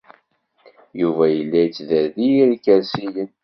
Yuba yella yettderrir ikersiyen.